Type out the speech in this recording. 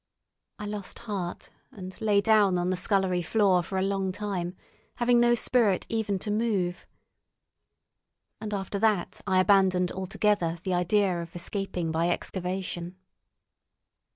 I lost heart, and lay down on the scullery floor for a long time, having no spirit even to move. And after that I abandoned altogether the idea of escaping by excavation.